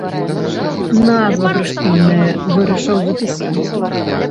Назва прышпільная, вырашыў запісаць.